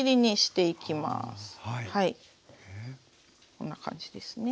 こんな感じですね。